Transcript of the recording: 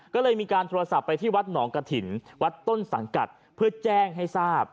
ก็เลยมีการโทรศัพท์ไปที่วัดหนองกระถิ่นวัดต้นสังกัดเพื่อแจ้งให้ทราบ